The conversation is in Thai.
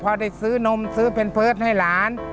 เพราะได้ซื้อนมซื้อเพลินเพิร์ตให้หลาน